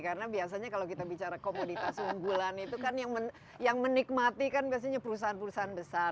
karena biasanya kalau kita bicara komoditas unggulan itu kan yang menikmati kan biasanya perusahaan perusahaan besar